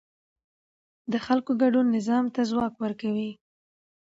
د خلکو ګډون نظام ته ځواک ورکوي